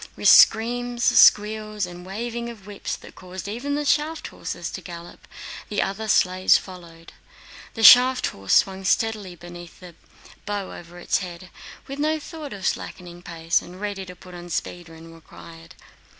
With screams, squeals, and waving of whips that caused even the shaft horses to gallop—the other sleighs followed. The shaft horse swung steadily beneath the bow over its head, with no thought of slackening pace and ready to put on speed when required.